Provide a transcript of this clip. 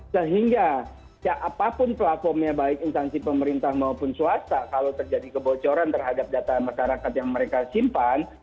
sehingga apapun platformnya baik instansi pemerintah maupun swasta kalau terjadi kebocoran terhadap data masyarakat yang mereka simpan